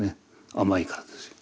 甘いからですよ。